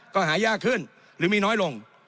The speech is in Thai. ก็หายากขึ้นหรือมีน้อยลง